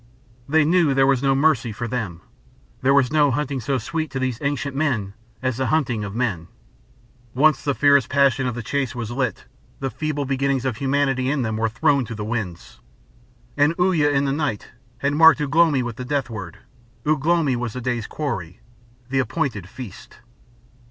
They knew there was no mercy for them. There was no hunting so sweet to these ancient men as the hunting of men. Once the fierce passion of the chase was lit, the feeble beginnings of humanity in them were thrown to the winds. And Uya in the night had marked Ugh lomi with the death word. Ugh lomi was the day's quarry, the appointed feast.